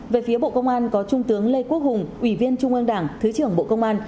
về phía bộ công an có trung tướng lê quốc hùng ủy viên trung ương đảng thứ trưởng bộ công an